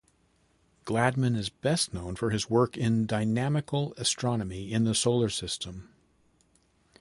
Gladman is best known for his work in dynamical astronomy in the Solar System.